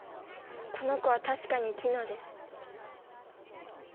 この子は確かにティノです。